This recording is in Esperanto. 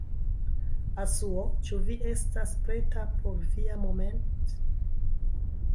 Asuo, ĉu vi estas preta por via moment'...